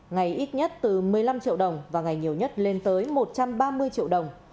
ngày ít nhất từ một mươi năm triệu đồng và ngày nhiều nhất lên tới một trăm ba mươi triệu đồng